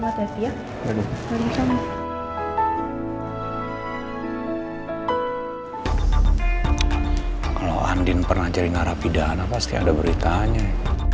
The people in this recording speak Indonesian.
di hadapan wartawan aldebaran menyatakan kalau istrinya andin i karisma putri tidak bersalah atas kasus pembunuhan roy empat tahun silang